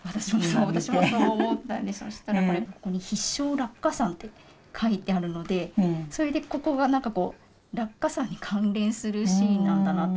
そうしたらこれ「必勝落下傘」て書いてあるのでそれでここが落下傘に関連するシーンなんだなと思って。